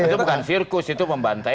itu bukan sirkus itu membantai